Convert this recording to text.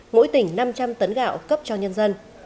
mỗi tỉnh năm trăm linh tấn gạo cấp cho nhân dân